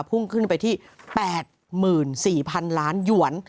พุ่งขึ้นไปที่๘๔๐๐๐ล้านหยวน